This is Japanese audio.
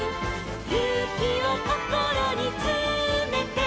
「ゆうきをこころにつめて」